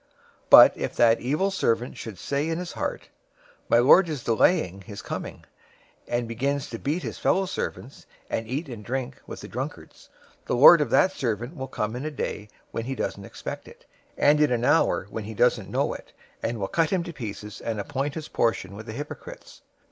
024:048 But if that evil servant should say in his heart, 'My lord is delaying his coming,' 024:049 and begins to beat his fellow servants, and eat and drink with the drunkards, 024:050 the lord of that servant will come in a day when he doesn't expect it, and in an hour when he doesn't know it, 024:051 and will cut him in pieces, and appoint his portion with the hypocrites.